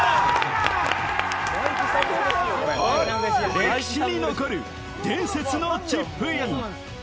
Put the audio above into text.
歴史に残る伝説のチップイン。